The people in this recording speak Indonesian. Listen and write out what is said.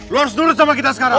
lo harus nurut sama kita sekarang